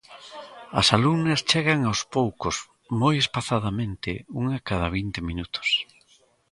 As alumnas chegan aos poucos, moi espazadamente, unha cada vinte minutos.